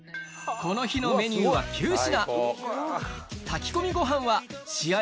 この日のメニューは９品。